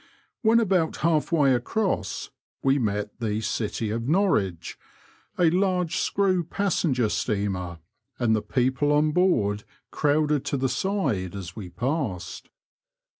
When about half way across we met the City of Norwich, a large screw passenger steamer ; .and the people on board crowded to the side as we passed.